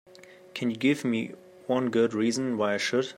Can you give me one good reason why I should?